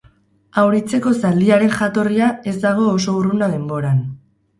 Auritzeko zaldiaren jatorria ez dago oso urruna denboran.